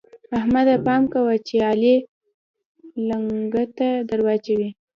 احمده! پام کوه چې علي لېنګته دراچوي.